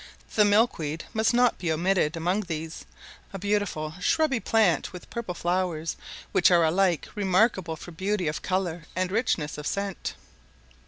The milkweed must not be omitted among these; a beautiful shrubby plant with purple flowers, which are alike remarkable for beauty of colour and richness of scent.